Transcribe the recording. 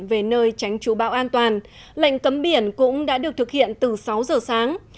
về nơi tránh trú bão an toàn lệnh cấm biển cũng đã được thực hiện từ sáu giờ sáng